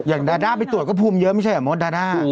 อย่างด้าด้าไปตรวจก็ภูมิเยอะไม่ใช่อ่ะโม้ดด้าด้า